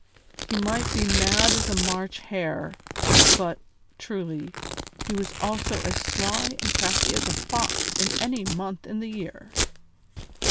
He might be mad as a March hare, but, truly, he was also as sly and crafty as a fox in any month in the year.